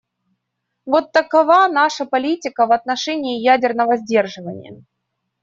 Вот такова наша политика в отношении ядерного сдерживания.